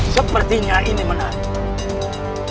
sepertinya ini menarik